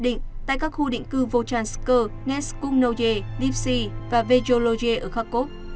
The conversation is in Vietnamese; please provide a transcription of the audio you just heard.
định tại các khu định cư volchanskoye neskunknoye dipsy và vyoloye ở kharkov